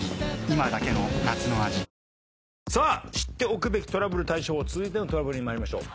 今だけの夏の味さあ知っておくべきトラブル対処法続いてのトラブルに参りましょう。